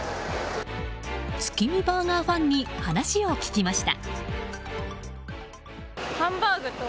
月見バーガーファンに話を聞きました。